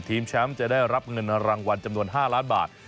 แชมป์จะได้รับเงินรางวัลจำนวน๕ล้านบาท